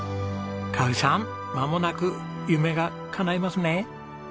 香さんまもなく夢がかないますね！